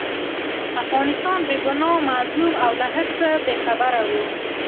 افغانستان بې ګناه، مظلوم او له هرڅه بې خبره وو.